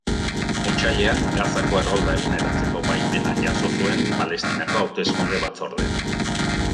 Otsailean, Gazako errolda eguneratzeko baimena jaso zuen Palestinako Hauteskunde Batzordeak.